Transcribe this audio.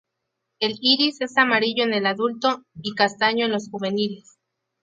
El iris es amarillo en el adulto y castaño en los juveniles.